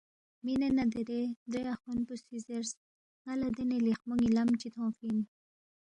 مِنے نہ دیرے درے اَخون پو سی زیرس، ن٘ا لہ دینے لیخمو ن٘یلم چی تھونگفی اِن